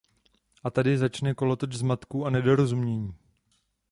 A tady začne kolotoč zmatků a nedorozumění.